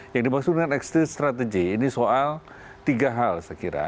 yang dimaksud dengan exit strategy ini soal tiga hal saya kira